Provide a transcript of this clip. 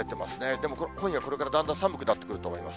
でも今夜これからだんだん寒くなってくると思います。